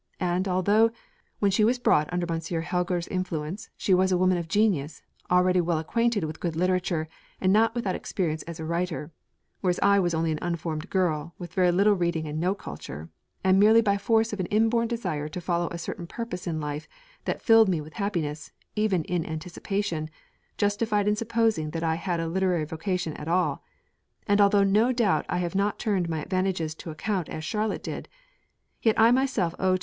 And although, when she was brought under M. Heger's influence, she was a woman of genius, already well acquainted with good literature, and not without experience as a writer, whereas I was only an unformed girl, with very little reading and no culture: and merely by force of an inborn desire to follow a certain purpose in life that filled me with happiness, even in anticipation, justified in supposing that I had a literary vocation at all, and although no doubt I have not turned my advantages to account as Charlotte did, yet I myself owe to M.